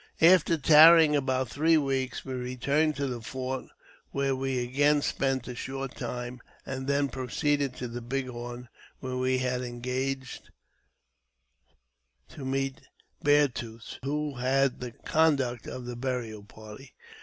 After tarrying about three weeks, we returned to the fort, where we again spent a short time, and then proceeded to the Big Horn, where we had engaged to n^eet Bear's Tooth, who had the conduct of the burial party.